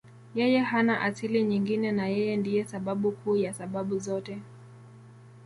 Yeye hana asili nyingine na Yeye ndiye sababu kuu ya sababu zote.